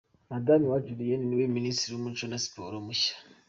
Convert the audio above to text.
Mme Uwacu Julienne ni we Minisitiri w'umuco na siporo mushya.